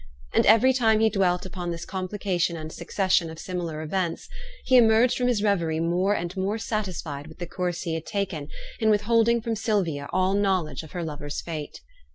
And every time he dwelt on this complication and succession of similar events, he emerged from his reverie more and more satisfied with the course he had taken in withholding from Sylvia all knowledge of her lover's fate.